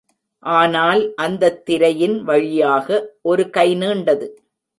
ஆனால், அந்தத் திரையின் வழியாக ஒரு கை நீண்டது.